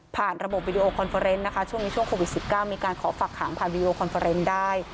ระบบวิดีโอคอนเฟอร์เนสนะคะช่วงนี้ช่วงโควิด๑๙มีการขอฝักขังผ่านวีดีโอคอนเฟอร์เนสได้